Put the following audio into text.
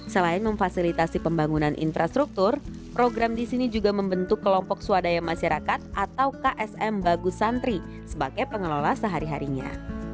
selain memfasilitasi pembangunan infrastruktur program di sini juga membentuk kelompok swadaya masyarakat atau ksm bagus santri sebagai pengelola sehari harinya